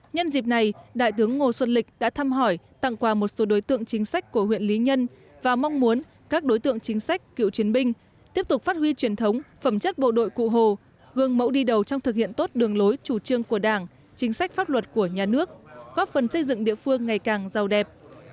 nhân dịp này đại tướng ngô xuân lịch đã thăm hỏi tặng quà một số đối tượng chính sách của huyện lý nhân và mong muốn các đối tượng chính sách cựu chiến binh tiếp tục phát huy truyền thống phẩm chất bộ đội cụ hồ gương mẫu đi đầu trong thực hiện tốt đường lối chủ trương của đảng chính sách pháp luật của nhà nước góp phần xây dựng địa phương ngày càng giàu đẹp